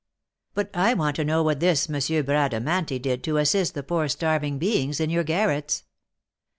"But I want to know what this M. Bradamanti did to assist the poor starving beings in your garrets."